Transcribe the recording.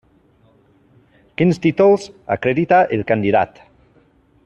Quins títols acredita el candidat?